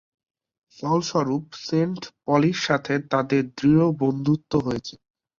ফলস্বরূপ, সেন্ট পলীর সাথে তাদের দৃঢ় বন্ধুত্ব রয়েছে।